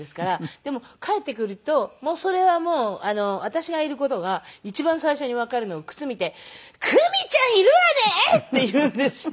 でも帰ってくるとそれはもう私がいる事が一番最初にわかるのが靴見て「クミちゃんいるわね！」って言うんです。